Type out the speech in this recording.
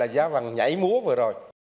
giá vàng nhảy múa vừa rồi